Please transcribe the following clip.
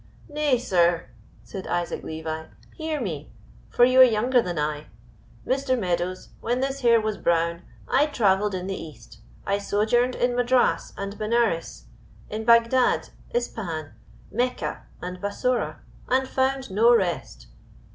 "Nay, sir," said Isaac Levi, "hear me, for you are younger than I. Mr. Meadows, when this hair was brown I traveled in the East; I sojourned in Madras and Benares, in Bagdad, Ispahan, Mecca and Bassora, and found no rest.